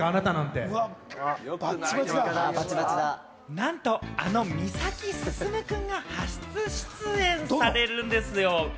なんと、あの御崎進君が初出演されるんですよ。